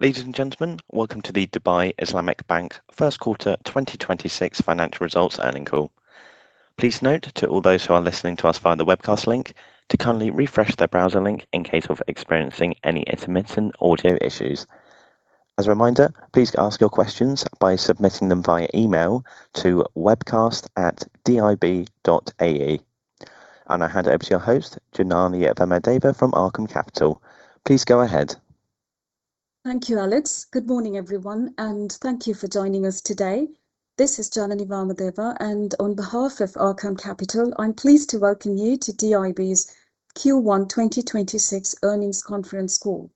Ladies and gentlemen, welcome to the Dubai Islamic Bank Q1 2026 Financial Results Earning Call. Please note to all those who are listening to us via the webcast link to kindly refresh their browser link in case of experiencing any intermittent audio issues. As a reminder, please ask your questions by submitting them via email to webcast@dib.ae. I hand over to your host, Janany Vamadeva from Arqaam Capital. Please go ahead. Thank you, Alex. Good morning, everyone, and thank you for joining us today. This is Janany Vamadeva, and on behalf of Arqaam Capital, I'm pleased to welcome you to DIB's Q1 2026 Earnings Conference Call.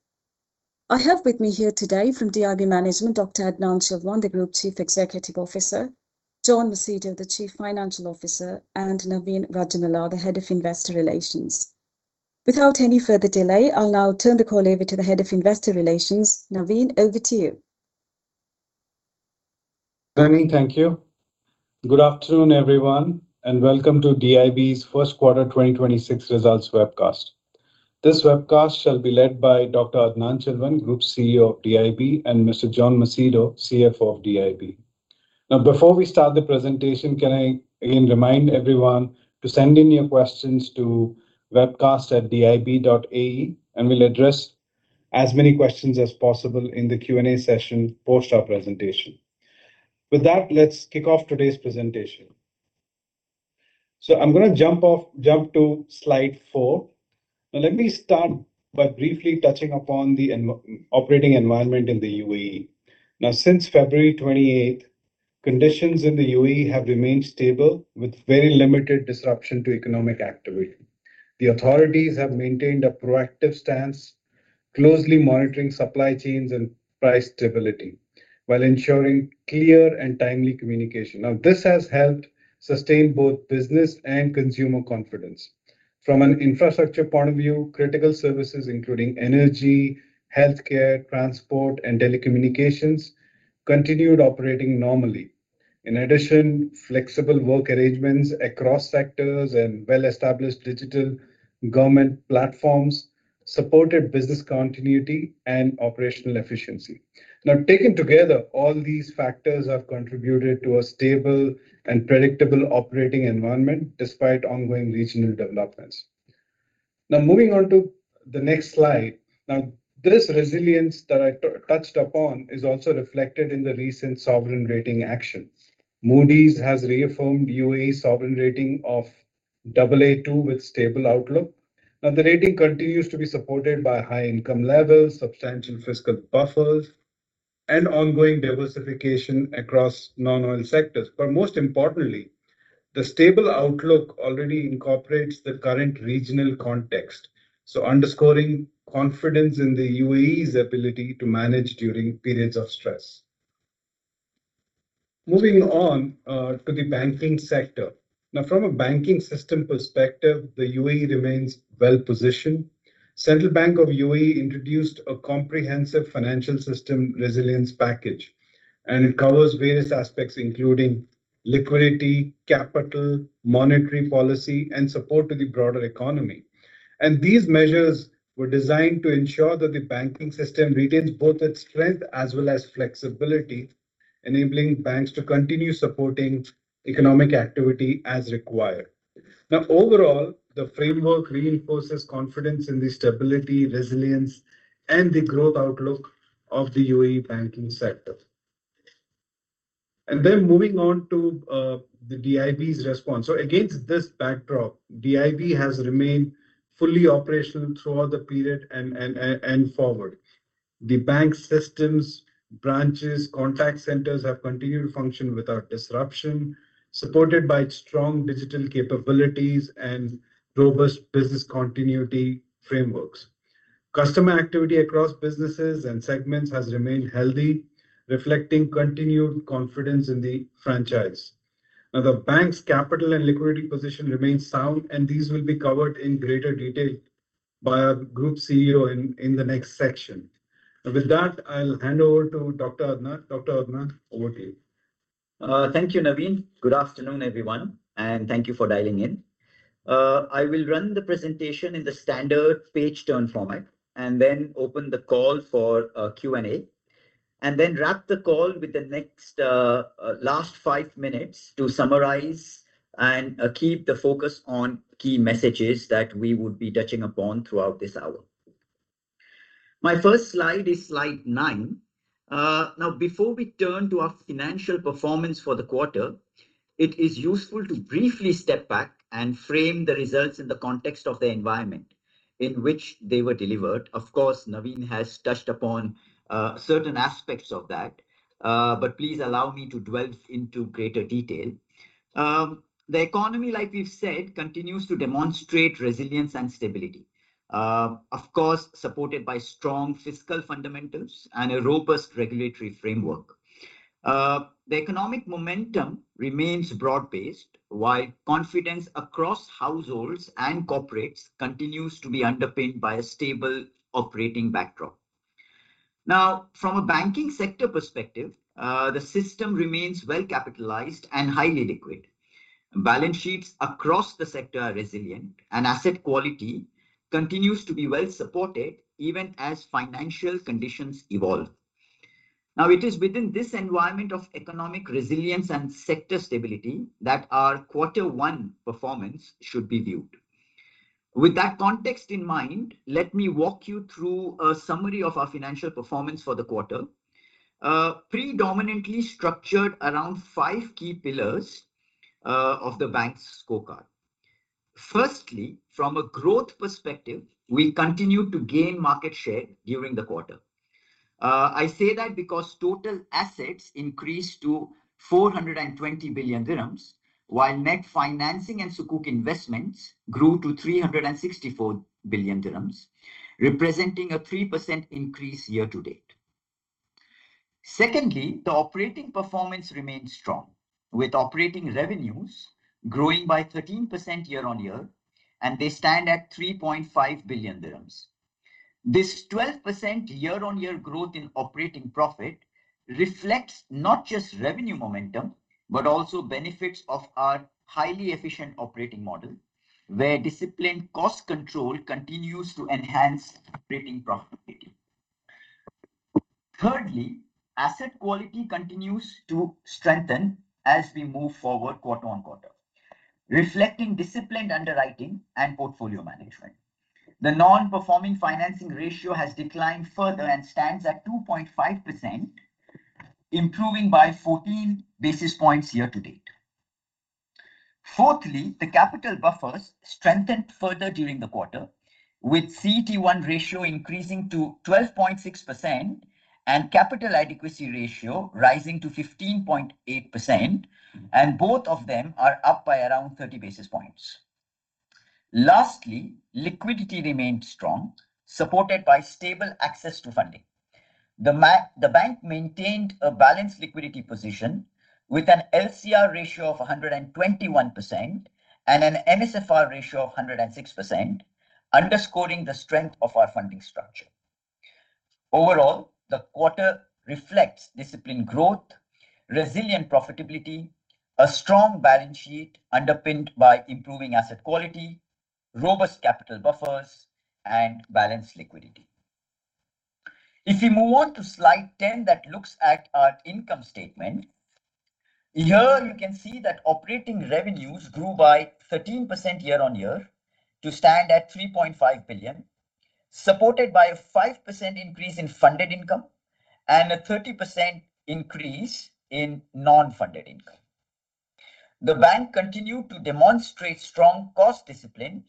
I have with me here today from DIB management Dr. Adnan Chilwan, the Group Chief Executive Officer, John Macedo, the Chief Financial Officer, and Naveen Rajanala, the Head of Investor Relations. Without any further delay, I'll now turn the call over to the Head of Investor Relations. Naveen, over to you. Janany, thank you. Good afternoon, everyone, and welcome to DIB's Q1 2026 results webcast. This webcast shall be led by Dr. Adnan Chilwan, Group Chief Executive Officer of DIB, and Mr. John Macedo, Chief Financial Officer of DIB. Before we start the presentation, can I again remind everyone to send in your questions to webcast@dib.ae, and we'll address as many questions as possible in the Q&A session post our presentation. With that, let's kick off today's presentation. I'm going to jump to slide four. Let me start by briefly touching upon the operating environment in the UAE. Since 28 February 2026, conditions in the UAE have remained stable with very limited disruption to economic activity. The authorities have maintained a proactive stance, closely monitoring supply chains and price stability while ensuring clear and timely communication. This has helped sustain both business and consumer confidence. From an infrastructure point of view, critical services, including energy, healthcare, transport, and telecommunications, continued operating normally. In addition, flexible work arrangements across sectors and well-established digital government platforms supported business continuity and operational efficiency. Taken together, all these factors have contributed to a stable and predictable operating environment despite ongoing regional developments. Moving on to the next slide. This resilience that I touched upon is also reflected in the recent sovereign rating actions. Moody's has reaffirmed UAE sovereign rating of Aa2 with stable outlook. The rating continues to be supported by high income levels, substantial fiscal buffers, and ongoing diversification across non-oil sectors. Most importantly, the stable outlook already incorporates the current regional context, so underscoring confidence in the UAE's ability to manage during periods of stress. Moving on to the banking sector. From a banking system perspective, the UAE remains well-positioned. Central Bank of the UAE introduced a comprehensive financial system resilience package, it covers various aspects including liquidity, capital, monetary policy, and support to the broader economy. These measures were designed to ensure that the banking system retains both its strength as well as flexibility, enabling banks to continue supporting economic activity as required. Overall, the framework reinforces confidence in the stability, resilience, and the growth outlook of the UAE banking sector. Moving on to the DIB's response. Against this backdrop, DIB has remained fully operational throughout the period and forward. The bank systems, branches, contact centers have continued to function without disruption, supported by strong digital capabilities and robust business continuity frameworks. Customer activity across businesses and segments has remained healthy, reflecting continued confidence in the franchise. Now, the bank's capital and liquidity position remains sound, and these will be covered in greater detail by our Group CEO in the next section. With that, I'll hand over to Dr. Adnan. Dr. Adnan, over to you. Thank you, Naveen. Good afternoon, everyone, and thank you for dialing in. I will run the presentation in the standard page turn format and then open the call for a Q&A, and then wrap the call with the next last five minutes to summarize and keep the focus on key messages that we would be touching upon throughout this hour. My first slide is slide nine. Now, before we turn to our financial performance for the quarter, it is useful to briefly step back and frame the results in the context of the environment in which they were delivered. Of course, Naveen has touched upon certain aspects of that, but please allow me to delve into greater detail. The economy, like we've said, continues to demonstrate resilience and stability, of course, supported by strong fiscal fundamentals and a robust regulatory framework. The economic momentum remains broad-based, while confidence across households and corporates continues to be underpinned by a stable operating backdrop. From a banking sector perspective, the system remains well capitalized and highly liquid. Balance sheets across the sector are resilient, and asset quality continues to be well supported even as financial conditions evolve. It is within this environment of economic resilience and sector stability that our Q1 performance should be viewed. With that context in mind, let me walk you through a summary of our financial performance for the quarter, predominantly structured around five key pillars of the bank's scorecard. Firstly, from a growth perspective, we continued to gain market share during the quarter. I say that because total assets increased to 420 billion dirhams, while net financing and Sukuk investments grew to 364 billion dirhams, representing a 3% increase year to date. The operating performance remained strong, with operating revenues growing by 13% year-on-year, and they stand at 3.5 billion dirhams. This 12% year-on-year growth in operating profit reflects not just revenue momentum, but also benefits of our highly efficient operating model, where disciplined cost control continues to enhance operating profitability. Asset quality continues to strengthen as we move forward quarter-on-quarter, reflecting disciplined underwriting and portfolio management. The Non-Performing Financing ratio has declined further and stands at 2.5%, improving by 14 basis points year to date. Fourthly, the capital buffers strengthened further during the quarter, with CET1 ratio increasing to 12.6% and capital adequacy ratio rising to 15.8%. Both of them are up by around 30 basis points. Lastly, liquidity remained strong, supported by stable access to funding. The bank maintained a balanced liquidity position with an LCR ratio of 121% and an NSFR ratio of 106%, underscoring the strength of our funding structure. Overall, the quarter reflects disciplined growth, resilient profitability, a strong balance sheet underpinned by improving asset quality, robust capital buffers and balanced liquidity. If we move on to slide 10 that looks at our income statement, here you can see that operating revenues grew by 13% year-on-year to stand at 3.5 billion, supported by a 5% increase in funded income and a 30% increase in non-funded income. The bank continued to demonstrate strong cost discipline,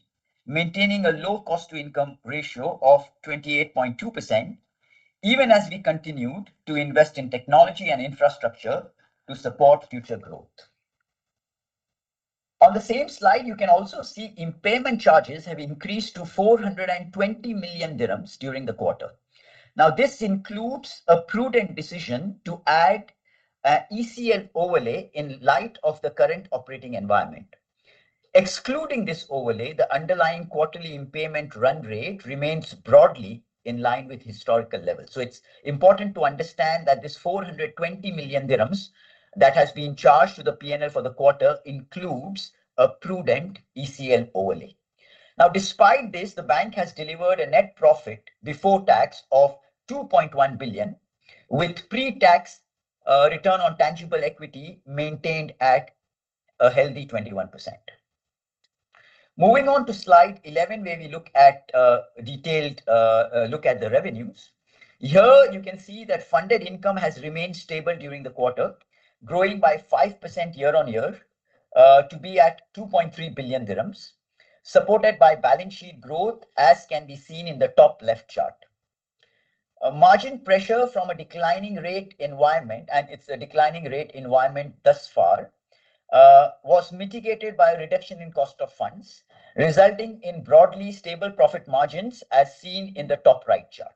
maintaining a low cost to income ratio of 28.2%, even as we continued to invest in technology and infrastructure to support future growth. On the same slide, you can also see impairment charges have increased to 420 million dirhams during the quarter. Now, this includes a prudent decision to add a ECL overlay in light of the current operating environment. Excluding this overlay, the underlying quarterly impairment run rate remains broadly in line with historical levels. It's important to understand that this 420 million dirhams that has been charged to the P&L for the quarter includes a prudent ECL overlay. Despite this, the bank has delivered a net profit before tax of 2.1 billion, with pre-tax return on tangible equity maintained at a healthy 21%. Moving on to slide 11, where we look at a detailed look at the revenues. Here you can see that funded income has remained stable during the quarter, growing by 5% year-on-year, to be at 2.3 billion dirhams, supported by balance sheet growth, as can be seen in the top left chart. A margin pressure from a declining rate environment, and it's a declining rate environment thus far, was mitigated by a reduction in cost of funds, resulting in broadly stable profit margins as seen in the top right chart.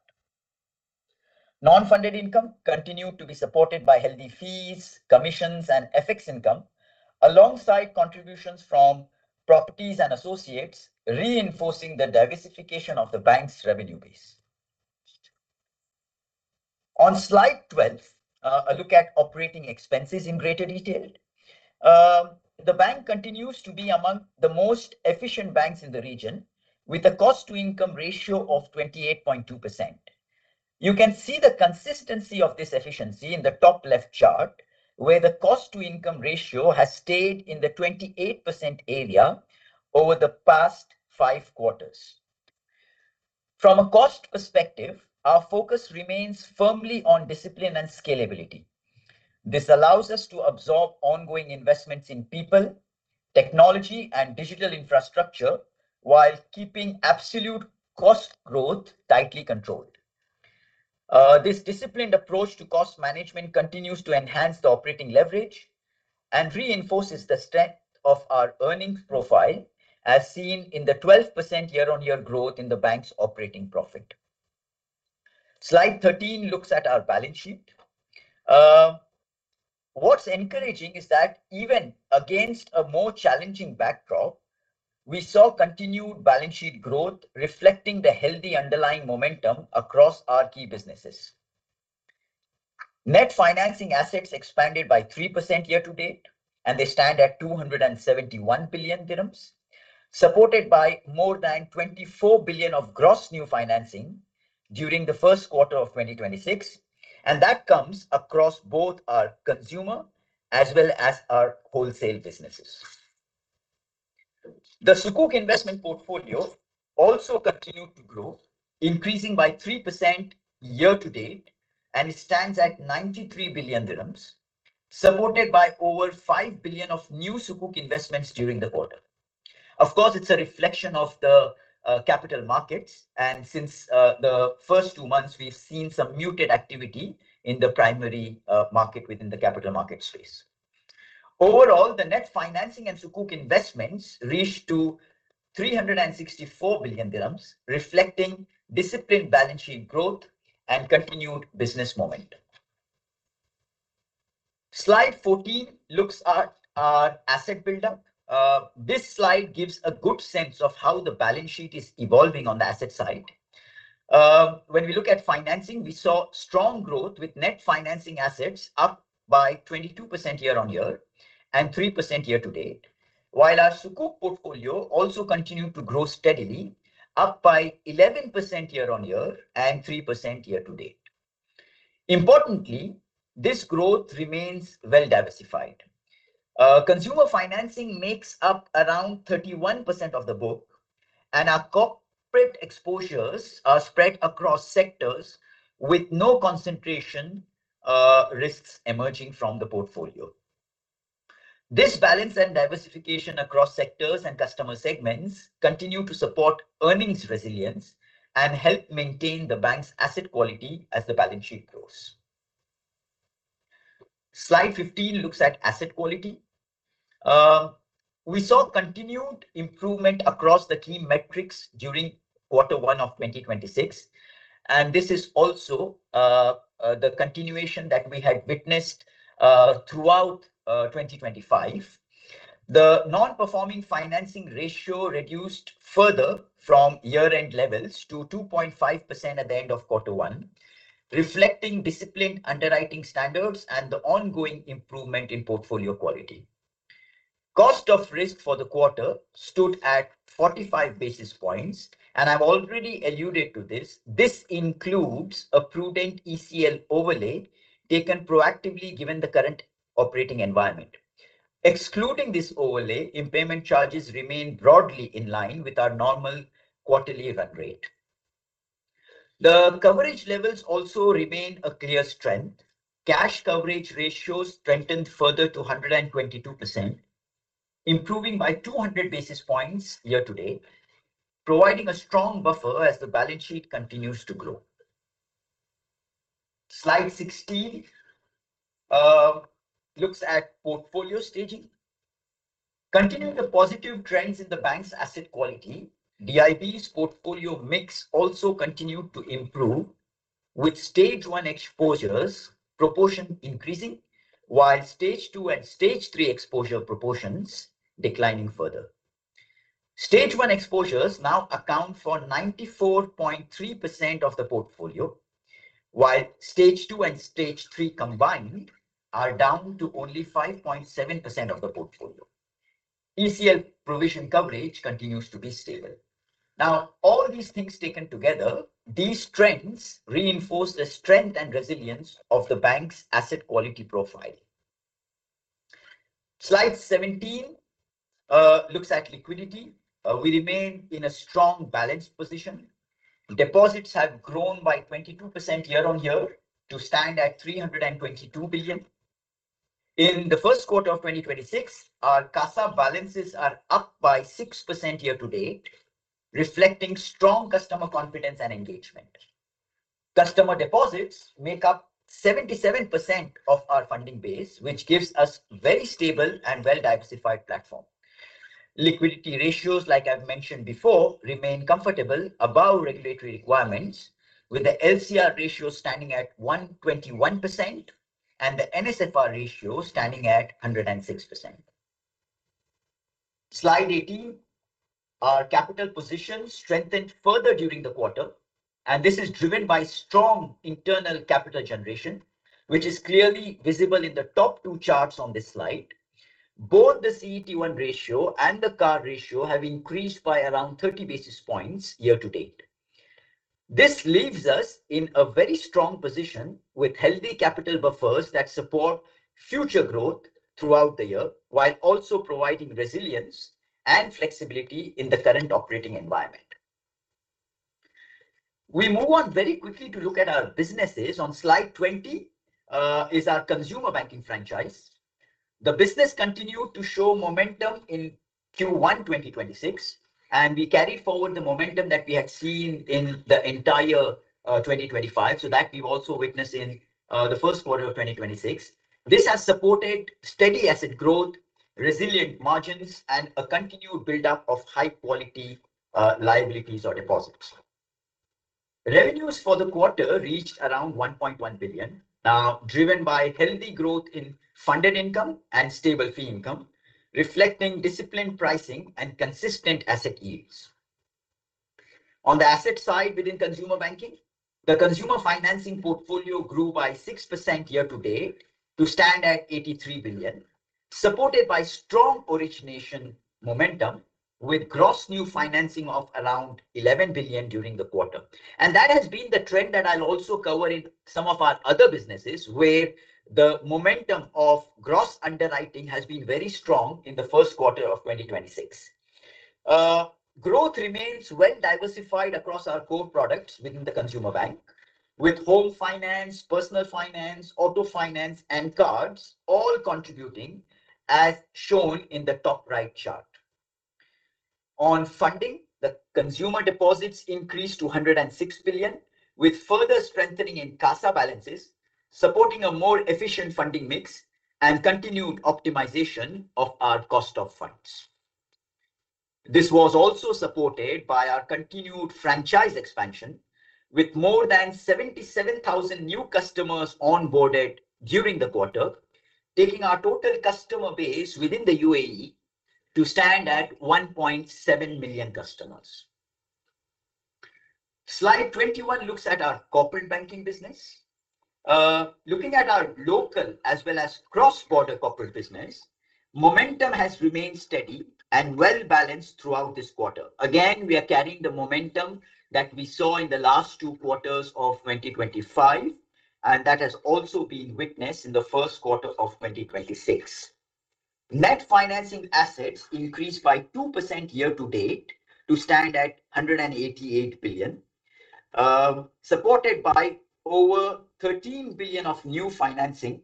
Non-funded income continued to be supported by healthy fees, commissions, and FX income, alongside contributions from properties and associates, reinforcing the diversification of the bank's revenue base. On slide 12, a look at operating expenses in greater detail. The bank continues to be among the most efficient banks in the region, with a cost to income ratio of 28.2%. You can see the consistency of this efficiency in the top left chart, where the cost to income ratio has stayed in the 28% area over the past five quarters. From a cost perspective, our focus remains firmly on discipline and scalability. This allows us to absorb ongoing investments in people, technology and digital infrastructure while keeping absolute cost growth tightly controlled. This disciplined approach to cost management continues to enhance the operating leverage and reinforces the strength of our earnings profile, as seen in the 12% year-on-year growth in the Bank's operating profit. Slide 13 looks at our balance sheet. What's encouraging is that even against a more challenging backdrop, we saw continued balance sheet growth reflecting the healthy underlying momentum across our key businesses. Net financing assets expanded by 3% year-to-date. They stand at 271 billion dirhams, supported by more than 24 billion of gross new financing during the Q1 of 2026, and that comes across both our consumer as well as our wholesale businesses. The Sukuk investment portfolio also continued to grow, increasing by 3% year to date. It stands at 93 billion dirhams, supported by over 5 billion of new Sukuk investments during the quarter. Of course, it's a reflection of the capital markets. Since the first two months, we've seen some muted activity in the primary market within the capital market space. Overall, the net financing and Sukuk investments reached to 364 billion dirhams, reflecting disciplined balance sheet growth and continued business momentum. Slide 14 looks at our asset buildup. This slide gives a good sense of how the balance sheet is evolving on the asset side. When we look at financing, we saw strong growth with net financing assets up by 22% year on year and 3% year to date, while our Sukuk portfolio also continued to grow steadily, up by 11% year on year and 3% year to date. Importantly, this growth remains well diversified. Consumer financing makes up around 31% of the book, and our corporate exposures are spread across sectors with no concentration risks emerging from the portfolio. This balance and diversification across sectors and customer segments continue to support earnings resilience and help maintain the bank's asset quality as the balance sheet grows. Slide 15 looks at asset quality. We saw continued improvement across the key metrics during Q1 of 2026, and this is also the continuation that we had witnessed throughout 2025. The Non-Performing Financing ratio reduced further from year-end levels to 2.5% at the end of Q1, reflecting disciplined underwriting standards and the ongoing improvement in portfolio quality. Cost of Risk for the quarter stood at 45 basis points, and I've already alluded to this. This includes a prudent ECL overlay taken proactively given the current operating environment. Excluding this overlay, impairment charges remain broadly in line with our normal quarterly event rate. The coverage levels also remain a clear strength. Cash coverage ratios strengthened further to 122%, improving by 200 basis points year to date, providing a strong buffer as the balance sheet continues to grow. Slide 16 looks at portfolio staging. Continuing the positive trends in the bank's asset quality, DIB's portfolio mix also continued to improve with stage one exposures proportion increasing, while stage two and stage three exposure proportions declining further. Stage one exposures now account for 94.3% of the portfolio, while stage two and stage three combined are down to only 5.7% of the portfolio. ECL provision coverage continues to be stable. All these things taken together, these trends reinforce the strength and resilience of the bank's asset quality profile. Slide 17 looks at liquidity. We remain in a strong balance position. Deposits have grown by 22% year-on-year to stand at 322 billion. In the Q1 of 2026, our CASA balances are up by 6% year-to-date, reflecting strong customer confidence and engagement. Customer deposits make up 77% of our funding base, which gives us very stable and well-diversified platform. Liquidity ratios, like I've mentioned before, remain comfortable above regulatory requirements, with the LCR ratio standing at 121% and the NSFR ratio standing at 106%. Slide 18. Our capital position strengthened further during the quarter, and this is driven by strong internal capital generation, which is clearly visible in the top two charts on this slide. Both the CET1 ratio and the CAR ratio have increased by around 30 basis points year to date. This leaves us in a very strong position with healthy capital buffers that support future growth throughout the year, while also providing resilience and flexibility in the current operating environment. We move on very quickly to look at our businesses. On slide 20 is our consumer banking franchise. The business continued to show momentum in Q1 2026, and we carried forward the momentum that we had seen in the entire 2025. That we've also witnessed in the Q1 of 2026. This has supported steady asset growth, resilient margins, and a continued buildup of high-quality liabilities or deposits. Revenues for the quarter reached around 1.1 billion, driven by healthy growth in funded income and stable fee income, reflecting disciplined pricing and consistent asset yields. On the asset side within consumer banking, the consumer financing portfolio grew by 6% year to date to stand at 83 billion, supported by strong origination momentum with gross new financing of around 11 billion during the quarter. That has been the trend that I'll also cover in some of our other businesses, where the momentum of gross underwriting has been very strong in the Q1 of 2026. Growth remains well diversified across our core products within the consumer bank, with home finance, personal finance, auto finance, and cards all contributing, as shown in the top right chart. On funding, the consumer deposits increased to 106 billion, with further strengthening in CASA balances, supporting a more efficient funding mix and continued optimization of our cost of funds. This was also supported by our continued franchise expansion, with more than 77,000 new customers onboarded during the quarter, taking our total customer base within the UAE to stand at 1.7 million customers. Slide 21 looks at our corporate banking business. Looking at our local as well as cross-border corporate business, momentum has remained steady and well balanced throughout this quarter. Again, we are carrying the momentum that we saw in the last two quarters of 2025, and that has also been witnessed in the Q1 of 2026. Net financing assets increased by 2% year to date to stand at 188 billion, supported by over 13 billion of new financing,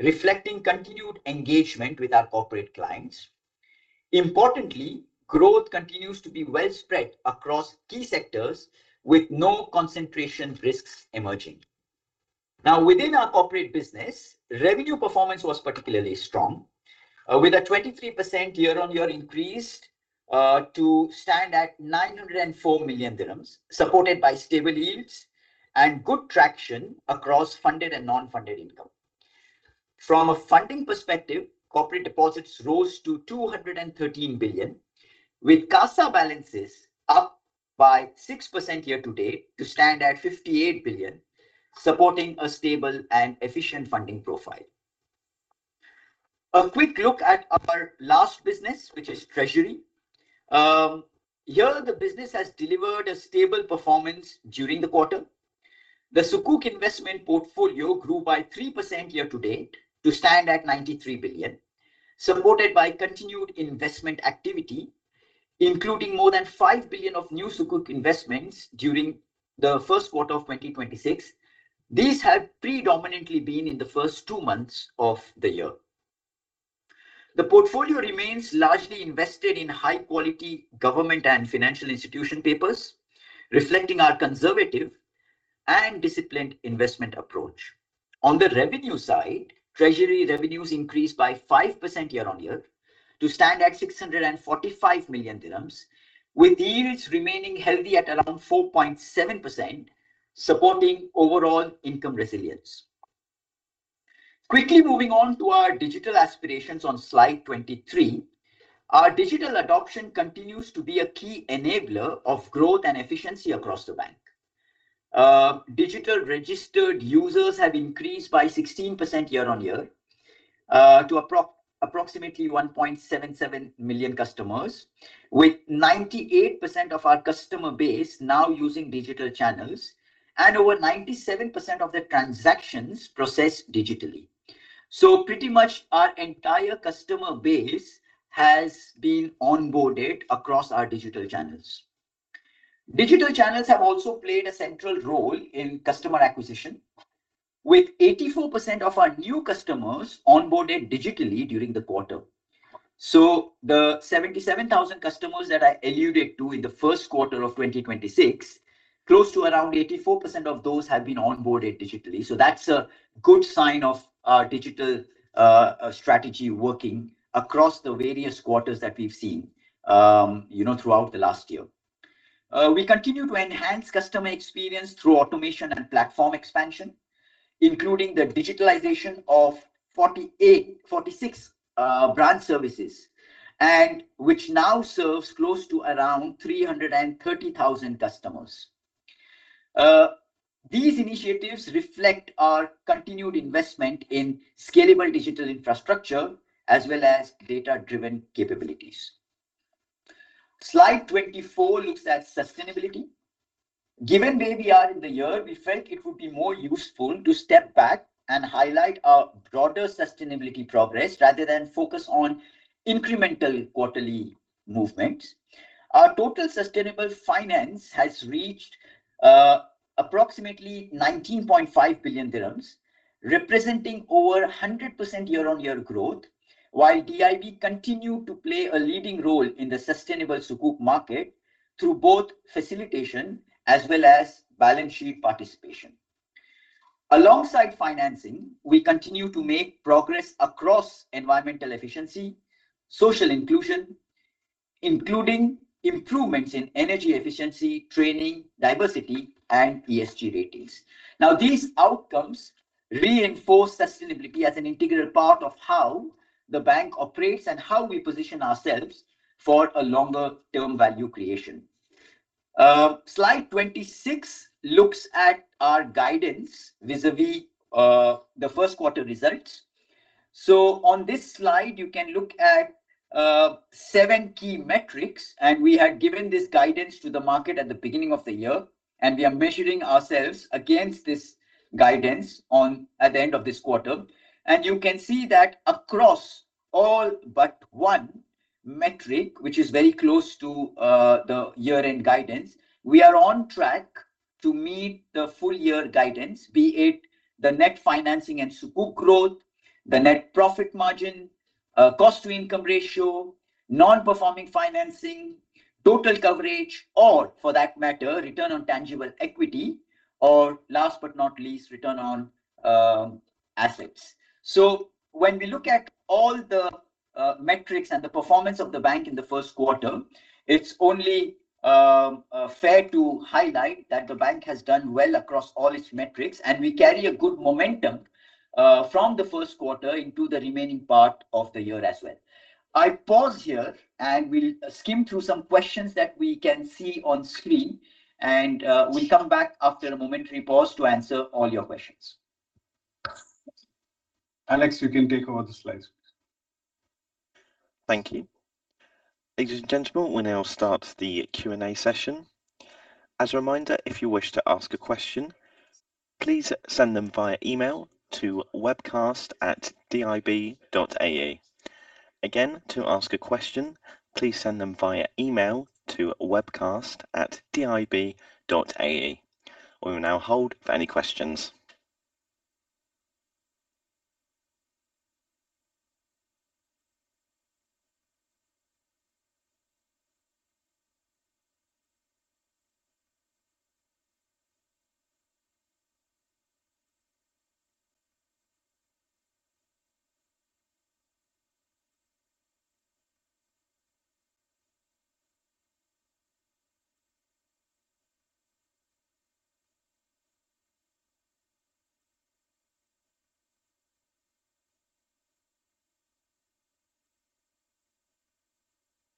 reflecting continued engagement with our corporate clients. Importantly, growth continues to be well spread across key sectors with no concentration risks emerging. Now, within our corporate business, revenue performance was particularly strong, with a 23% year-on-year increase, to stand at 904 million dirhams, supported by stable yields and good traction across funded and non-funded income. From a funding perspective, corporate deposits rose to 213 billion, with CASA balances up by 6% year to date to stand at 58 billion, supporting a stable and efficient funding profile. A quick look at our last business, which is treasury. Here the business has delivered a stable performance during the quarter. The Sukuk investment portfolio grew by 3% year to date to stand at 93 billion, supported by continued investment activity, including more than 5 billion of new Sukuk investments during the Q1 of 2026. These have predominantly been in the first two months of the year. The portfolio remains largely invested in high-quality government and financial institution papers, reflecting our conservative and disciplined investment approach. On the revenue side, treasury revenues increased by 5% year-on-year to stand at 645 million dirhams, with yields remaining healthy at around 4.7%, supporting overall income resilience. Quickly moving on to our digital aspirations on slide 23. Our digital adoption continues to be a key enabler of growth and efficiency across the bank. Digital registered users have increased by 16% year-on-year, to approximately 1.77 million customers, with 98% of our customer base now using digital channels and over 97% of the transactions processed digitally. Pretty much our entire customer base has been onboarded across our digital channels. Digital channels have also played a central role in customer acquisition, with 84% of our new customers onboarded digitally during the quarter. The 77,000 customers that I alluded to in the Q1 of 2026, close to around 84% of those have been onboarded digitally. That's a good sign of our digital strategy working across the various quarters that we've seen, you know, throughout the last year. We continue to enhance customer experience through automation and platform expansion, including the digitalization of 46 branch services, and which now serves close to around 330,000 customers. These initiatives reflect our continued investment in scalable digital infrastructure as well as data-driven capabilities. Slide 24 looks at sustainability. Given where we are in the year, we felt it would be more useful to step back and highlight our broader sustainability progress rather than focus on incremental quarterly movements. Our total sustainable finance has reached approximately 19.5 billion dirhams, representing over 100% year-on-year growth, while DIB continued to play a leading role in the sustainable Sukuk market through both facilitation as well as balance sheet participation. Alongside financing, we continue to make progress across environmental efficiency, social inclusion, including improvements in energy efficiency, training, diversity, and ESG ratings. These outcomes reinforce sustainability as an integral part of how the bank operates and how we position ourselves for a longer term value creation. Slide 26 looks at our guidance vis-a-vis the Q1 results. On this slide, you can look at seven key metrics. We had given this guidance to the market at the beginning of the year. We are measuring ourselves against this guidance at the end of this quarter. You can see that across all but one metric, which is very close to the year-end guidance, we are on track to meet the full year guidance, be it the net financing and Sukuk growth, the net profit margin, cost to income ratio, non-performing financing, total coverage, or for that matter, return on tangible equity, or last but not least, return on assets. When we look at all the metrics and the performance of the bank in Q1, it's only fair to highlight that the bank has done well across all its metrics, and we carry a good momentum from Q1 into the remaining part of the year as well. I pause here, and we'll skim through some questions that we can see on screen and, we come back after a momentary pause to answer all your questions. Alex, you can take over the slides. Thank you. Ladies and gentlemen, we'll now start the Q&A session. As a reminder, if you wish to ask a question, please send them via email to webcast@dib.ae. Again, to ask a question, please send them via email to webcast@dib.ae. We will now hold for any questions.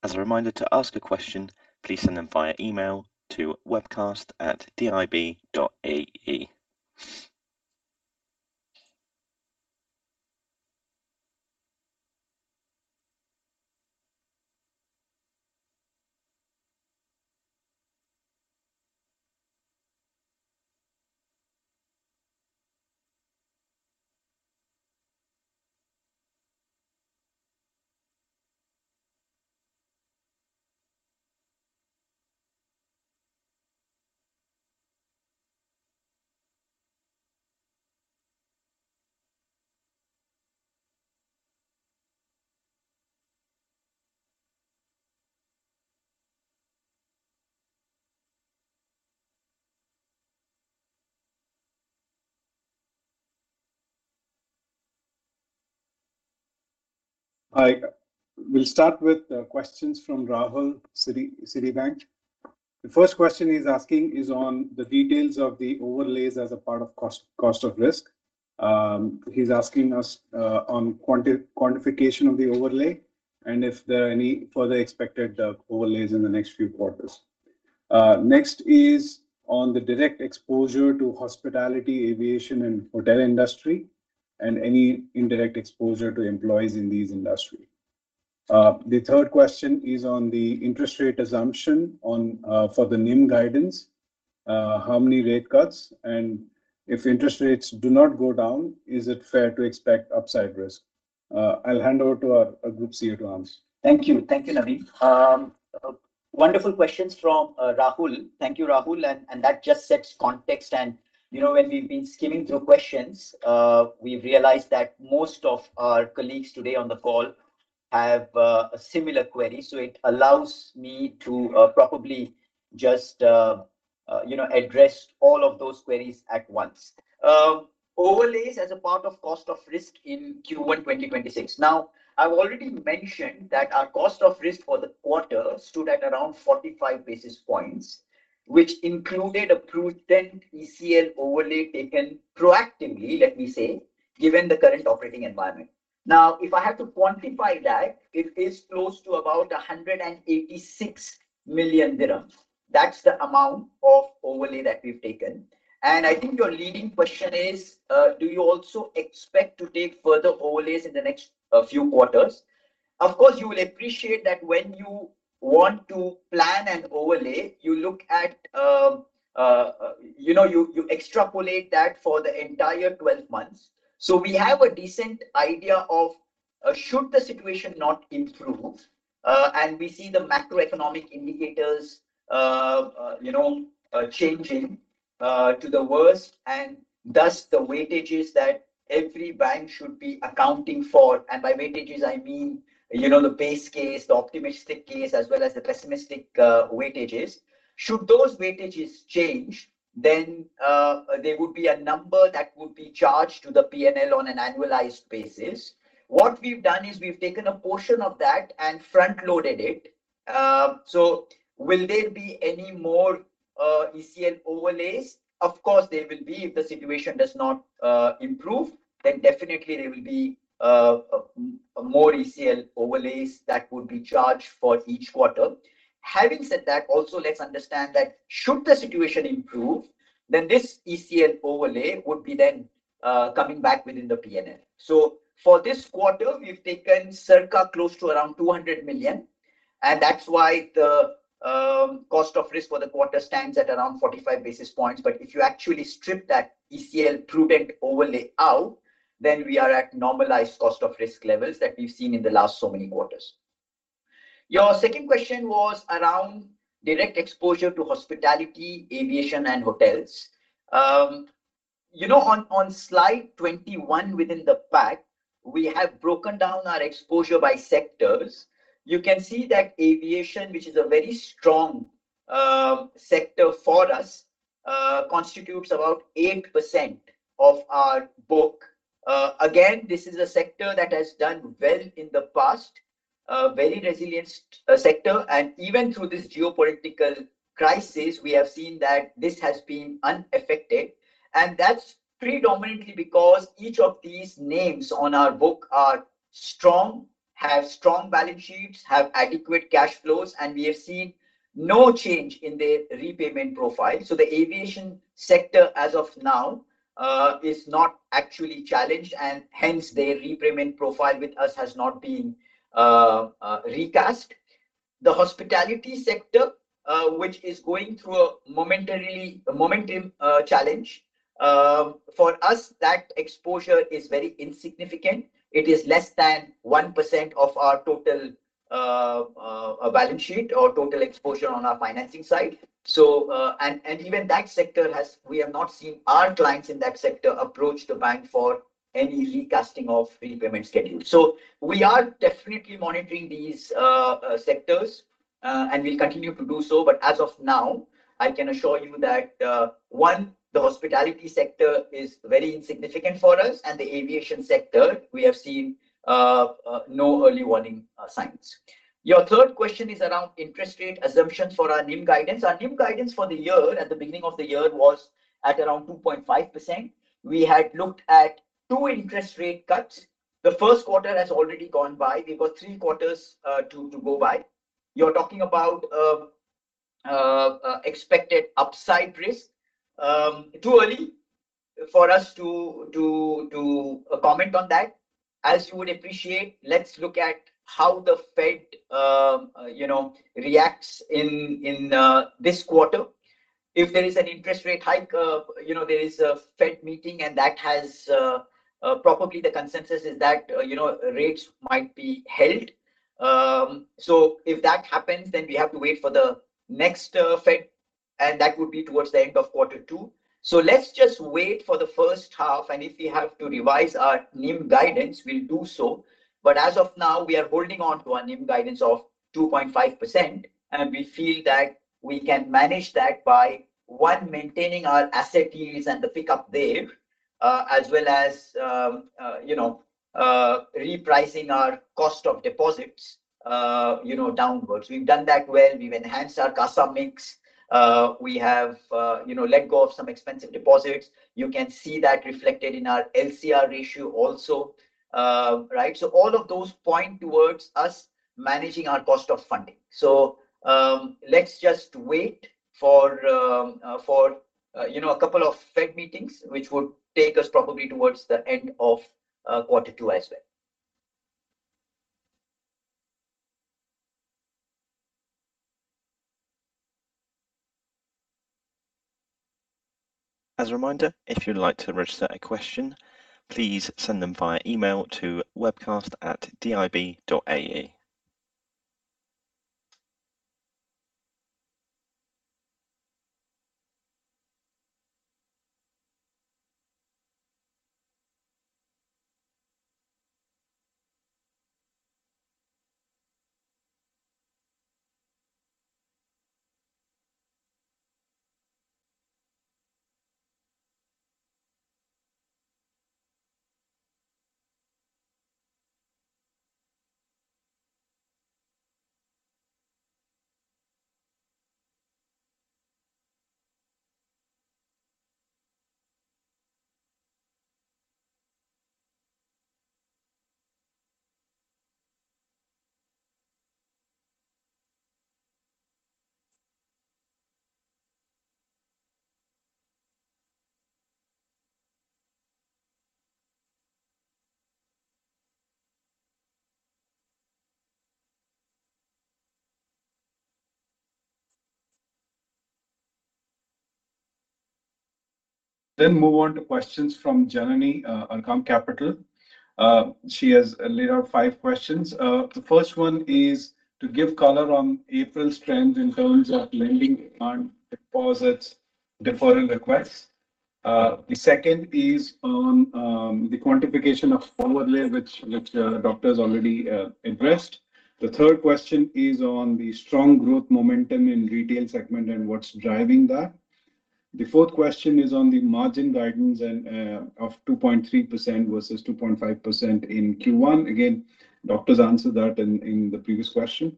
As a reminder to ask a question, please send them via email to webcast@dib.ae. I will start with questions from Rahul, Citibank. The first question he's asking is on the details of the overlays as a part of Cost of Risk. He's asking us on quantification of the overlay and if there are any further expected overlays in the next few quarters. Next is on the direct exposure to hospitality, aviation and hotel industry and any indirect exposure to employees in this industry. The third question is on the interest rate assumption for the NIM guidance, how many rate cuts, and if interest rates do not go down, is it fair to expect upside risk? I'll hand over to Adnan to answer. Thank you. Thank you, Naveen. Wonderful questions from Rahul. Thank you, Rahul. That just sets context. You know, when we've been skimming through questions, we realized that most of our colleagues today on the call have a similar query. It allows me to probably just, you know, address all of those queries at once. Overlays as a part of Cost of Risk in Q1 2026. I've already mentioned that our Cost of Risk for the quarter stood at around 45 basis points, which included a prudent ECL overlay taken proactively, let me say, given the current operating environment. If I have to quantify that, it is close to about 186 million dirhams. That's the amount of overlay that we've taken. I think your leading question is, do you also expect to take further overlays in the next few quarters? Of course, you will appreciate that when you want to plan an overlay, you look at, you know, you extrapolate that for the entire 12 months. We have a decent idea of, should the situation not improve, and we see the macroeconomic indicators, you know, changing to the worst, and thus the weightages that every bank should be accounting for. By weightages I mean, you know, the base case, the optimistic case, as well as the pessimistic weightages. Should those weightages change, there would be a number that would be charged to the P&L on an annualized basis. What we've done is we've taken a portion of that and front-loaded it. Will there be any more ECL overlays? Of course, there will be. If the situation does not improve, then definitely there will be more ECL overlays that would be charged for each quarter. Having said that, also let's understand that should the situation improve, then this ECL overlay would be then coming back within the PNL. For this quarter, we've taken circa close to around 200 million, and that's why the Cost of Risk for the quarter stands at around 45 basis points. If you actually strip that ECL prudent overlay out, then we are at normalized Cost of Risk levels that we've seen in the last so many quarters. Your second question was around direct exposure to hospitality, aviation and hotels. You know, on slide 21 within the pack, we have broken down our exposure by sectors. You can see that aviation, which is a very strong sector for us, constitutes about 8% of our book. This is a sector that has done well in the past, a very resilient sector. Even through this geopolitical crisis, we have seen that this has been unaffected. That's predominantly because each of these names on our book are strong, have strong balance sheets, have adequate cash flows, and we have seen no change in their repayment profile. The aviation sector as of now, is not actually challenged and hence their repayment profile with us has not been recast. The hospitality sector, which is going through a momentum challenge, for us, that exposure is very insignificant. It is less than 1% of our total balance sheet or total exposure on our financing side. And even that sector, we have not seen our clients in that sector approach the bank for any recasting of repayment schedule. We are definitely monitoring these sectors and we'll continue to do so. As of now, I can assure you that one, the hospitality sector is very insignificant for us, and the aviation sector we have seen no early warning signs. Your third question is around interest rate assumptions for our NIM guidance. Our NIM guidance for the year, at the beginning of the year, was at around 2.5%. We had looked at two interest rate cuts. Q1 has already gone by. We've got three quarters to go by. You're talking about expected upside risk. Too early for us to comment on that. As you would appreciate, let's look at how the Fed, you know, reacts in this quarter. If there is an interest rate hike, you know, there is a Fed meeting and that has probably the consensus is that, you know, rates might be held. If that happens, then we have to wait for the next Fed, and that would be towards the end of Q2. Let's just wait for the H1, and if we have to revise our NIM guidance, we'll do so. As of now, we are holding on to our NIM guidance of 2.5%, and we feel that we can manage that by, one, maintaining our asset yields and the pickup there, as well as, you know, repricing our cost of deposits, you know, downwards. We've done that well. We've enhanced our CASA mix. We have, you know, let go of some expensive deposits. You can see that reflected in our LCR ratio also. Right? All of those point towards us managing our cost of funding. Let's just wait for, you know, a couple of Fed meetings, which would take us probably towards the end of Q2 as well. As a reminder, if you'd like to register a question, please send them via email to webcast@dib.ae. Move on to questions from Janany Vamadeva, Arqaam Capital. She has laid out five questions. The first one is to give color on April's trends in terms of lending on deposits deferral requests. The second is on the quantification of forward layer, which Dr. Adnan Chilwan's already addressed. The third question is on the strong growth momentum in retail segment and what's driving that. The fourth question is on the margin guidance of 2.3% versus 2.5% in Q1. Again, Dr. Adnan Chilwan answered that in the previous question.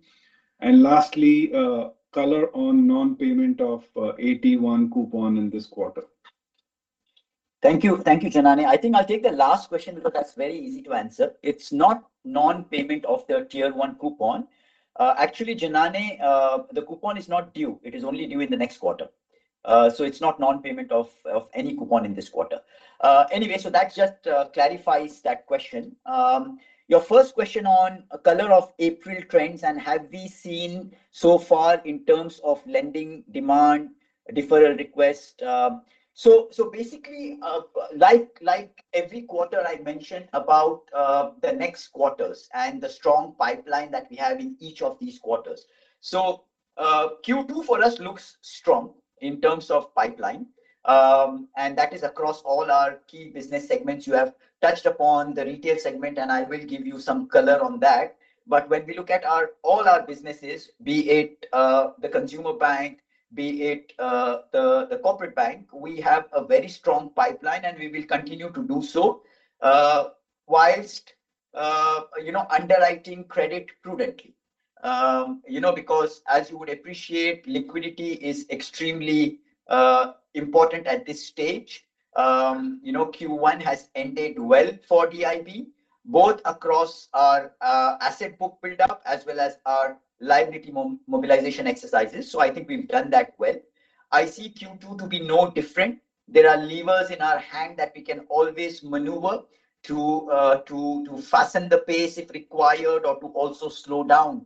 Lastly, color on non-payment of AT1 coupon in this quarter. Thank you. Thank you, Janany. I think I'll take the last question because that's very easy to answer. It's not non-payment of the Tier 1 coupon. Actually, Janany, the coupon is not due. It is only due in the next quarter. It's not non-payment of any coupon in this quarter. Anyway, that just clarifies that question. Your first question on color of April trends and have we seen so far in terms of lending demand, deferral request. Basically, like every quarter I mentioned about the next quarters and the strong pipeline that we have in each of these quarters. Q2 for us looks strong in terms of pipeline. That is across all our key business segments. You have touched upon the retail segment, and I will give you some color on that. But when we look at all our businesses, be it the consumer bank, be it the corporate bank, we have a very strong pipeline and we will continue to do so, whilst, you know, underwriting credit prudently. You know, because as you would appreciate, liquidity is extremely important at this stage. You know, Q1 has ended well for DIB, both across our asset book buildup as well as our liability mobilization exercises. I think we've done that well. I see Q2 to be no different. There are levers in our hand that we can always maneuver to fasten the pace if required or to also slow down,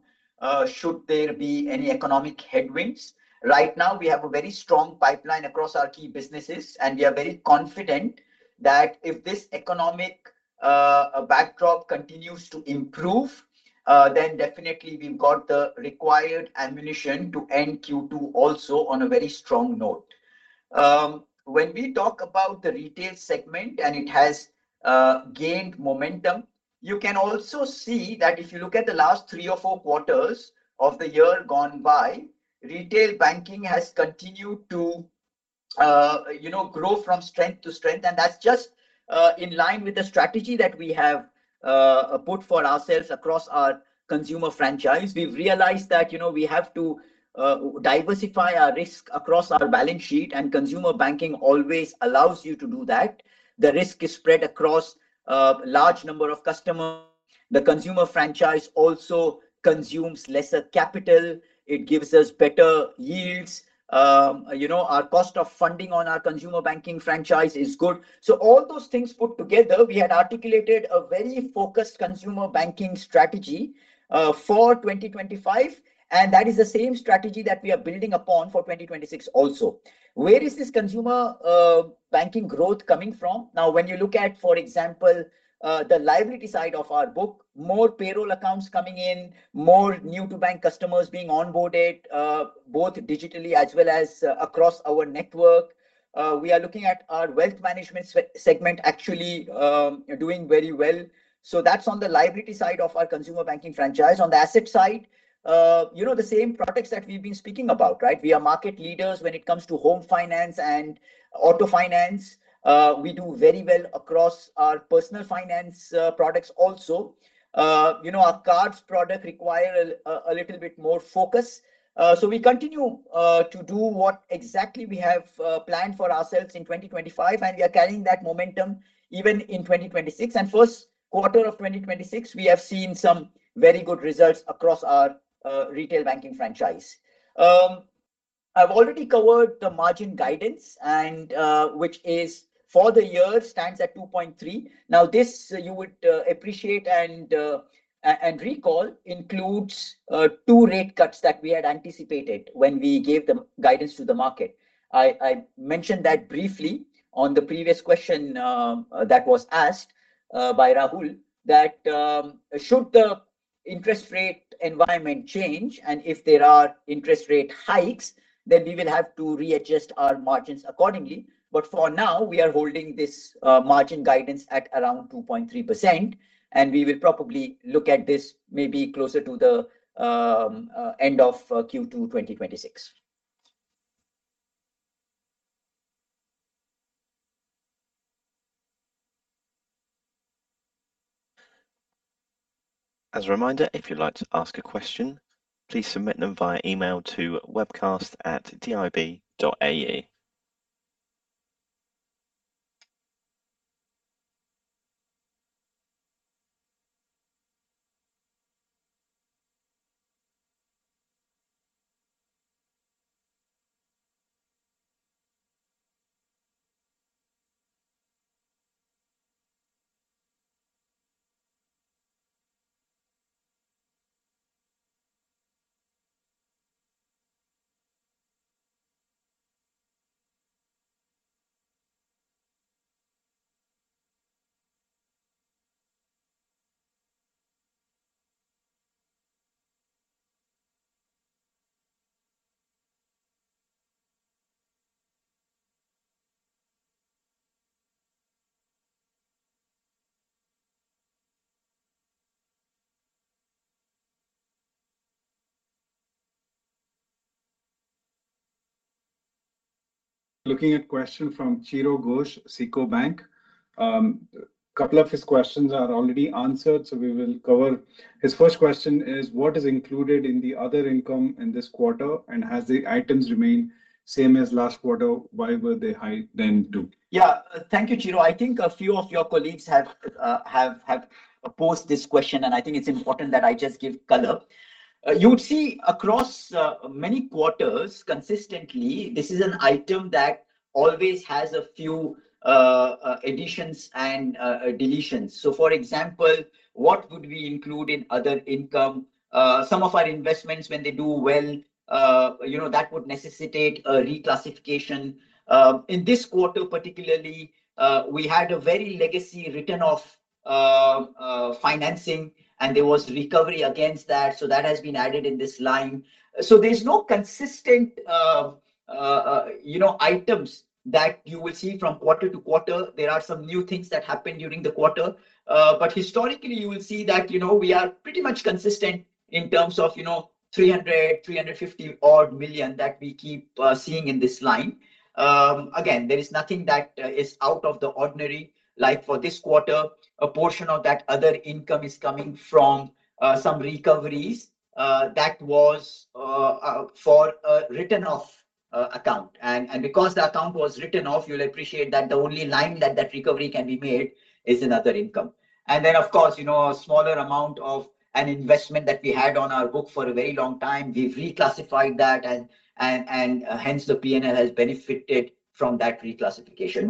should there be any economic headwinds. Right now, we have a very strong pipeline across our key businesses, and we are very confident that if this economic backdrop continues to improve, then definitely we've got the required ammunition to end Q2 also on a very strong note. When we talk about the retail segment and it has gained momentum, you can also see that if you look at the last three or four quarters of the year gone by, retail banking has continued to, you know, grow from strength to strength. That's just in line with the strategy that we have put for ourselves across our consumer franchise. We've realized that, you know, we have to diversify our risk across our balance sheet, and consumer banking always allows you to do that. The risk is spread across a large number of customers. The consumer franchise also consumes lesser capital. It gives us better yields. You know, our cost of funding on our consumer banking franchise is good. All those things put together, we had articulated a very focused consumer banking strategy for 2025, and that is the same strategy that we are building upon for 2026 also. Where is this consumer banking growth coming from? When you look at, for example, the liability side of our book, more payroll accounts coming in, more new-to-bank customers being onboarded, both digitally as well as across our network. We are looking at our wealth management segment actually doing very well. That's on the liability side of our consumer banking franchise. On the asset side, you know, the same products that we've been speaking about, right? We are market leaders when it comes to home finance and auto finance. We do very well across our personal finance products also. You know, our cards product require a little bit more focus. We continue to do what exactly we have planned for ourselves in 2025, and we are carrying that momentum even in 2026. Q1 of 2026, we have seen some very good results across our retail banking franchise. I've already covered the margin guidance and which is for the year stands at 2.3. Now, this you would appreciate and recall includes two rate cuts that we had anticipated when we gave the guidance to the market. I mentioned that briefly on the previous question, that was asked by Rahul that should the interest rate environment change and if there are interest rate hikes, then we will have to readjust our margins accordingly. For now, we are holding this margin guidance at around 2.3%, and we will probably look at this maybe closer to the end of Q2 2026. As a reminder, if you'd like to ask a question, please submit them via email to webcast@dib.ae. Looking at question from Chiro Ghosh, SICO Bank. Couple of his questions are already answered, so we will cover. His first question is: What is included in the other income in this quarter, and has the items remained same as last quarter? Why were they high then too? Thank you, Chiro Ghosh. I think a few of your colleagues have posed this question, I think it's important that I just give color. You would see across many quarters consistently, this is an item that always has a few additions and deletions. For example, what would we include in other income? Some of our investments when they do well, you know, that would necessitate a reclassification. In this quarter particularly, we had a very legacy written off financing, there was recovery against that has been added in this line. There's no consistent, you know, items that you will see from quarter to quarter. There are some new things that happen during the quarter. Historically you will see that, you know, we are pretty much consistent in terms of, you know, 300, 350 million that we keep seeing in this line. Again, there is nothing that is out of the ordinary. Like for this quarter, a portion of that other income is coming from some recoveries that was for a written off account. Because the account was written off, you'll appreciate that the only line that that recovery can be made is in other income. Then of course, you know, a smaller amount of an investment that we had on our book for a very long time, we've reclassified that and hence the PNL has benefited from that reclassification.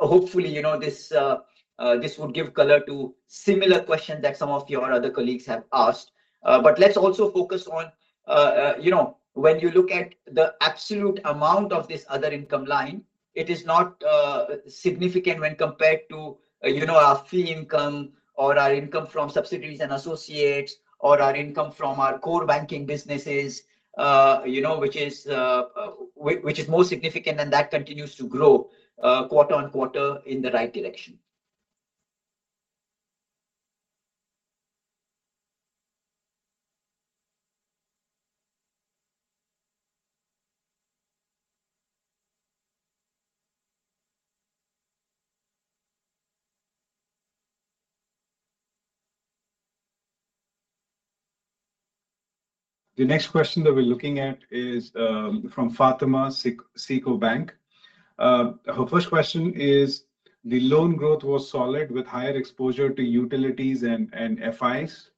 Hopefully, you know, this would give color to similar questions that some of your other colleagues have asked. Let's also focus on, you know, when you look at the absolute amount of this other income line, it is not significant when compared to, you know, our fee income or our income from subsidiaries and associates or our income from our core banking businesses, you know, which is more significant and that continues to grow quarter on quarter in the right direction. The next question that we're looking at is from Fatima, SICO Bank. Her first question is: The loan growth was solid with higher exposure to utilities and FIs.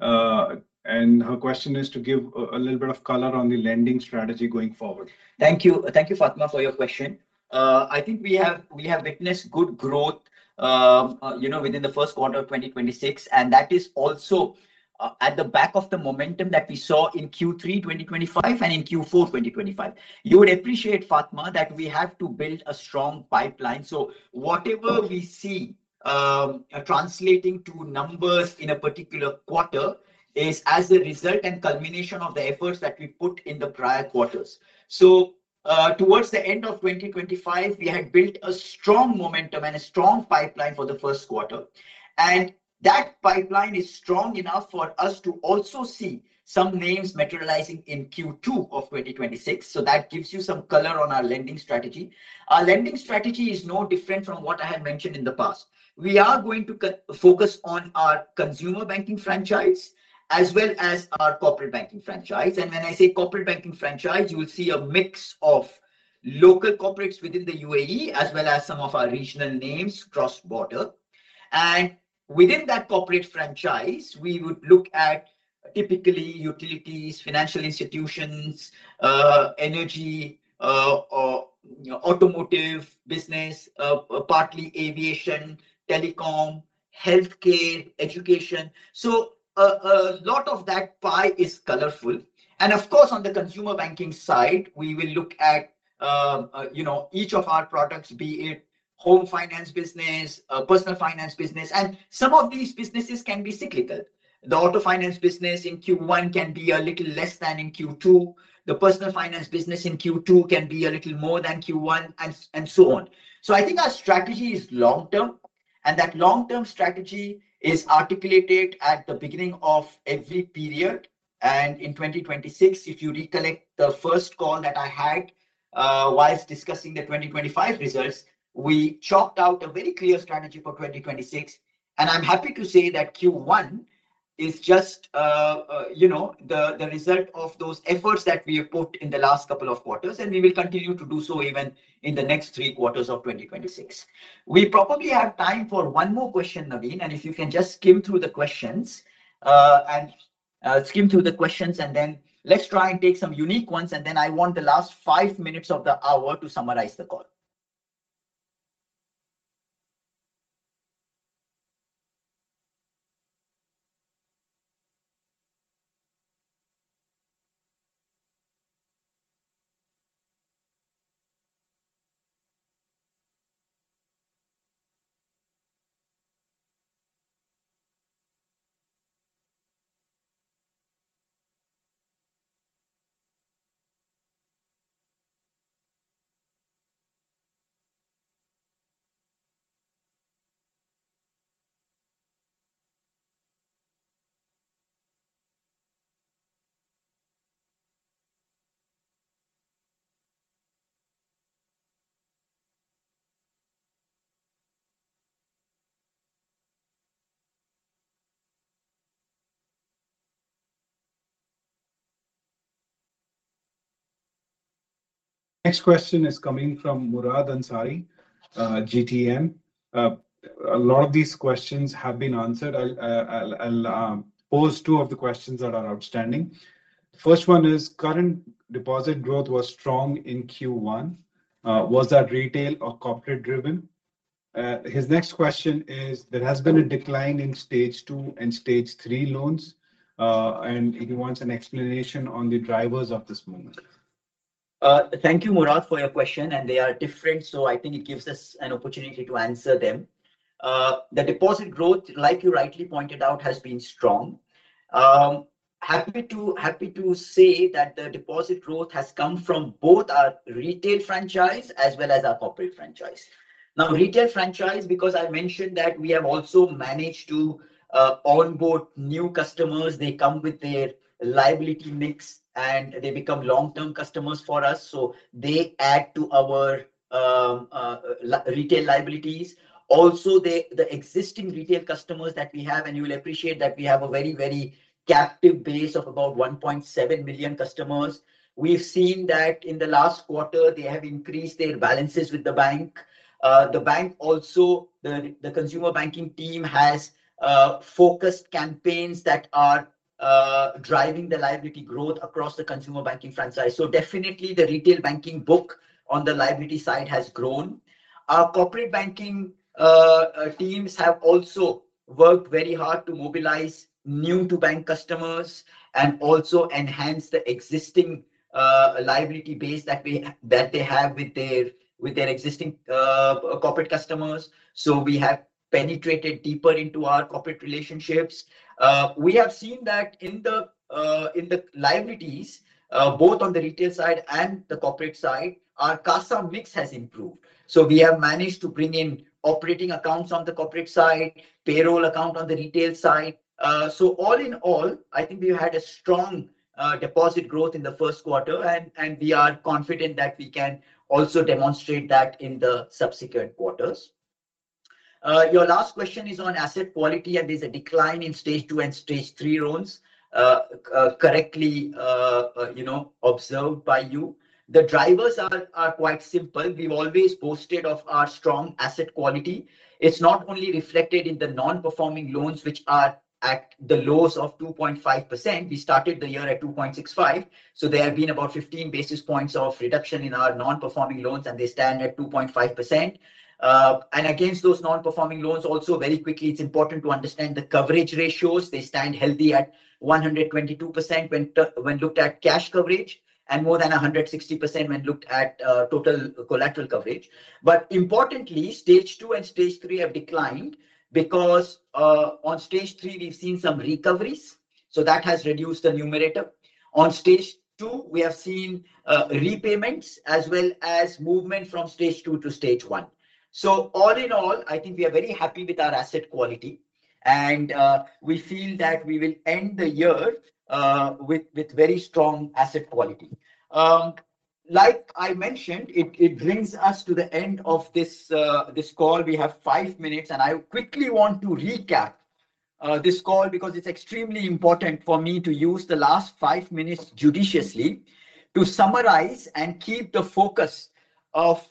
Her question is to give a little bit of color on the lending strategy going forward. Thank you. Thank you, Fatima, for your question. I think we have witnessed good growth, you know, within the Q1 of 2026. That is also at the back of the momentum that we saw in Q3 2025 and in Q4 2025. You would appreciate, Fatima, that we have to build a strong pipeline. Whatever we see translating to numbers in a particular quarter is as a result and culmination of the efforts that we put in the prior quarters. Towards the end of 2025, we had built a strong momentum and a strong pipeline for the Q1. That pipeline is strong enough for us to also see some names materializing in Q2 of 2026. That gives you some color on our lending strategy. Our lending strategy is no different from what I had mentioned in the past. We are going to focus on our consumer banking franchise, as well as our corporate banking franchise. When I say corporate banking franchise, you will see a mix of local corporates within the UAE, as well as some of our regional names cross-border. Within that corporate franchise, we would look at typically utilities, financial institutions, energy, you know, automotive business, partly aviation, telecom, healthcare, education. A lot of that pie is colorful. Of course, on the consumer banking side, we will look at, you know, each of our products, be it home finance business, personal finance business. Some of these businesses can be cyclical. The auto finance business in Q1 can be a little less than in Q2. The personal finance business in Q2 can be a little more than Q1 and so on. I think our strategy is long term, and that long-term strategy is articulated at the beginning of every period. In 2026, if you recollect the first call that I had, whilst discussing the 2025 results, we chalked out a very clear strategy for 2026. I'm happy to say that Q1 is just, you know, the result of those efforts that we have put in the last couple of quarters, and we will continue to do so even in the next three quarters of 2026. We probably have time for one more question, Naveen, and if you can just skim through the questions and then let's try and take some unique ones. I want the last five minutes of the hour to summarize the call Next question is coming from Murad Ansari, GTN. A lot of these questions have been answered. I'll pose two of the questions that are outstanding. First one is, current deposit growth was strong in Q1. Was that retail or corporate driven? His next question is, there has been a decline in stage two and stage three loans, he wants an explanation on the drivers of this movement. Thank you, Murad, for your question, and they are different, so I think it gives us an opportunity to answer them. The deposit growth, like you rightly pointed out, has been strong. Happy to say that the deposit growth has come from both our retail franchise as well as our corporate franchise. Retail franchise, because I mentioned that we have also managed to onboard new customers. They come with their liability mix, and they become long-term customers for us, so they add to our retail liabilities. The existing retail customers that we have, and you will appreciate that we have a very captive base of about 1.7 million customers. We've seen that in the last quarter they have increased their balances with the bank. The bank also, the consumer banking team has focused campaigns that are driving the liability growth across the consumer banking franchise. Definitely the retail banking book on the liability side has grown. Our corporate banking teams have also worked very hard to mobilize new-to-bank customers and also enhance the existing liability base that they have with their existing corporate customers. We have penetrated deeper into our corporate relationships. We have seen that in the liabilities, both on the retail side and the corporate side, our CASA mix has improved. We have managed to bring in operating accounts on the corporate side, payroll account on the retail side. All in all, I think we've had a strong deposit growth in Q1, and we are confident that we can also demonstrate that in the subsequent quarters. Your last question is on asset quality, there's a decline in stage two and stage three loans, correctly, you know, observed by you. The drivers are quite simple. We've always boasted of our strong asset quality. It's not only reflected in the non-performing loans, which are at the lows of 2.5%. We started the year at 2.65%, there have been about 15 basis points of reduction in our non-performing loans, they stand at 2.5%. Against those non-performing loans also, very quickly, it's important to understand the coverage ratios. They stand healthy at 122% when looked at cash coverage, and more than 160% when looked at total collateral coverage. Importantly, stage two and stage three have declined because on stage three we've seen some recoveries, so that has reduced the numerator. On stage two, we have seen repayments as well as movement from stage two to stage one. All in all, I think we are very happy with our asset quality, and we feel that we will end the year with very strong asset quality. Like I mentioned, it brings us to the end of this call. We have five minutes, and I quickly want to recap this call because it's extremely important for me to use the last five minutes judiciously to summarize and keep the focus of,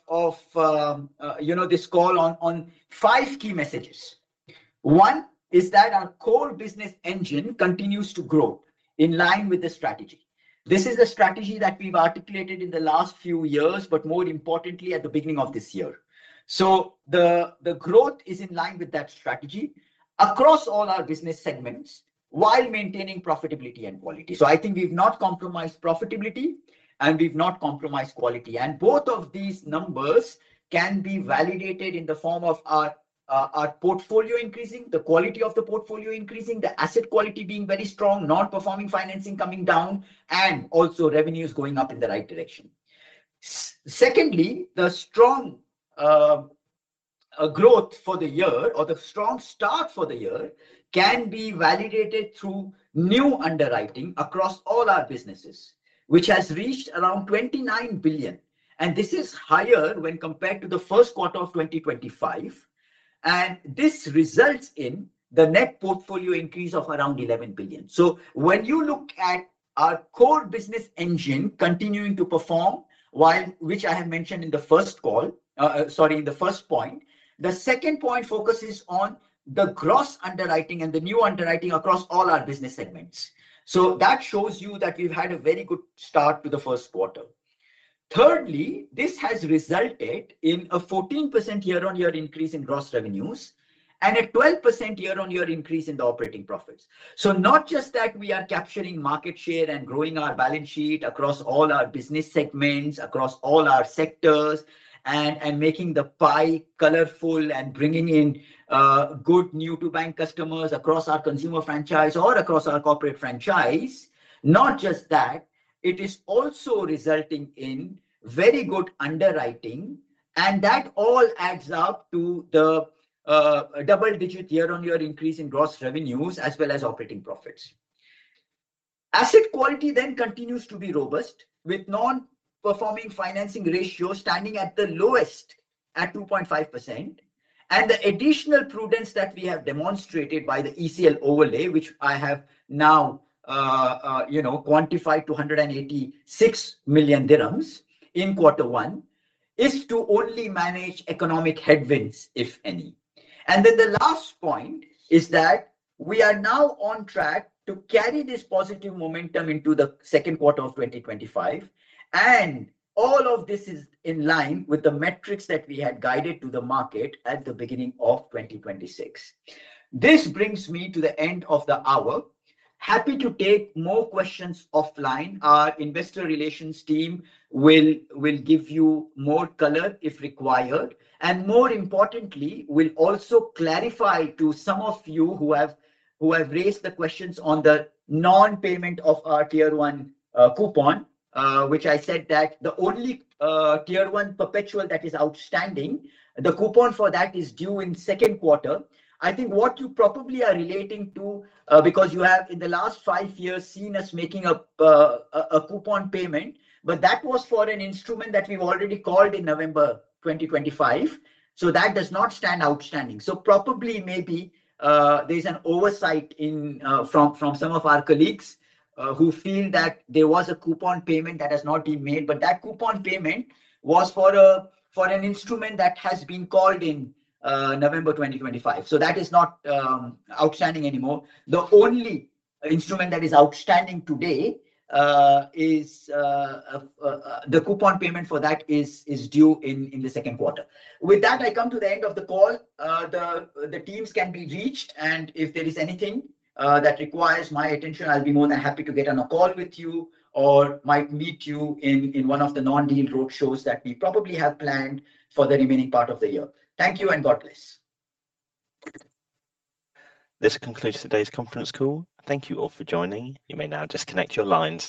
you know, this call on five key messages. One is that our core business engine continues to grow in line with the strategy. This is a strategy that we've articulated in the last few years but more importantly at the beginning of this year. The growth is in line with that strategy across all our business segments while maintaining profitability and quality. I think we've not compromised profitability, and we've not compromised quality. Both of these numbers can be validated in the form of our portfolio increasing, the quality of the portfolio increasing, the asset quality being very strong, Non-Performing Financing coming down, and also revenues going up in the right direction. Secondly, the strong growth for the year or the strong start for the year can be validated through new underwriting across all our businesses, which has reached around 29 billion, and this is higher when compared to the Q1 of 2025. This results in the net portfolio increase of around 11 billion. When you look at our core business engine continuing to perform. The second point focuses on the gross underwriting and the new underwriting across all our business segments. That shows you that we've had a very good start to Q1. Thirdly, this has resulted in a 14% year-on-year increase in gross revenues and a 12% year-on-year increase in the operating profits. Not just that we are capturing market share and growing our balance sheet across all our business segments, across all our sectors and making the pie colorful and bringing in good new-to-bank customers across our consumer franchise or across our corporate franchise. Not just that, it is also resulting in very good underwriting. That all adds up to the double-digit year-on-year increase in gross revenues as well as operating profits. Asset quality continues to be robust with Non-Performing Financing ratio standing at the lowest at 2.5%. The additional prudence that we have demonstrated by the ECL overlay, which I have now, you know, quantified to 186 million dirhams in Q1, is to only manage economic headwinds, if any. The last point is that we are now on track to carry this positive momentum into the Q2 of 2025. All of this is in line with the metrics that we had guided to the market at the beginning of 2026. This brings me to the end of the hour. Happy to take more questions offline. Our investor relations team will give you more color if required, and more importantly, will also clarify to some of you who have raised the questions on the non-payment of our Tier 1 coupon, which I said that the only Tier 1 perpetual that is outstanding, the coupon for that is due in Q2. I think what you probably are relating to, because you have in the last five years seen us making a coupon payment, but that was for an instrument that we've already called in November 2025. That does not stand outstanding. Probably, maybe, there's an oversight in from some of our colleagues, who feel that there was a coupon payment that has not been made, but that coupon payment was for an instrument that has been called in November 2025. That is not outstanding anymore. The only instrument that is outstanding today is the coupon payment for that is due in the Q2. With that, I come to the end of the call. The teams can be reached, and if there is anything that requires my attention, I'll be more than happy to get on a call with you or might meet you in one of the non-deal road shows that we probably have planned for the remaining part of the year. Thank you and God bless. This concludes today's conference call. Thank you all for joining. You may now disconnect your lines